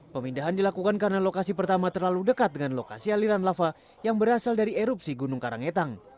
pemindahan dilakukan karena lokasi pertama terlalu dekat dengan lokasi aliran lava yang berasal dari erupsi gunung karangetang